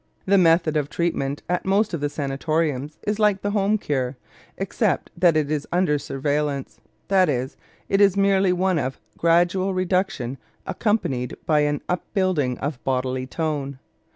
The method of treatment at most of the sanatoriums is like the home cure, except that it is under surveillance; that is, it is merely one of gradual reduction accompanied by an upbuilding of bodily tone.